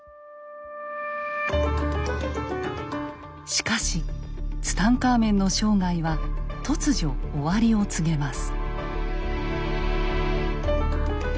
しかしツタンカーメンの生涯は突如終わりを告げます。